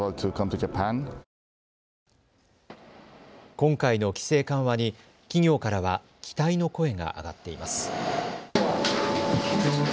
今回の規制緩和に企業からは期待の声が上がっています。